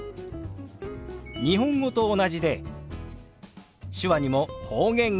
日本語と同じで手話にも方言があるんですよ。